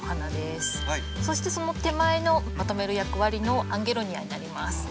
そしてその手前のまとめる役割のアンゲロニアになります。